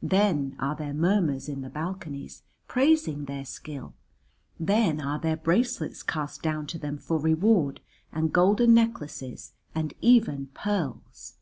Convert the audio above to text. Then are there murmurs in the balconies praising their skill, then are there bracelets cast down to them for reward and golden necklaces and even pearls.